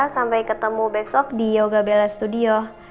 sampai ketemu besok di yoga bella studio